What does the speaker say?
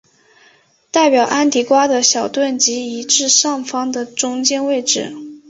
代表安提瓜的小盾即移至上方的中间位置。